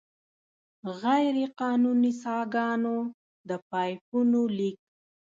غیرقانوني څاګانو، د پایپونو لیک.